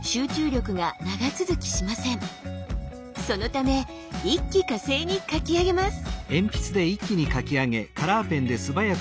そのため一気呵成に描き上げます。